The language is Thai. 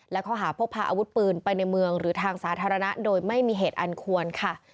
และข้อหาพกพาอาวุธปืนไปในเมืองหรือทางสาธารณะโดยไม่มีเหตุอันควรค่ะ